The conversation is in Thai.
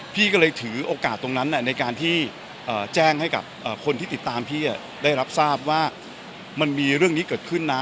พี่ก็เลยถือโอกาสตรงนั้นในการที่แจ้งให้กับคนที่ติดตามพี่ได้รับทราบว่ามันมีเรื่องนี้เกิดขึ้นนะ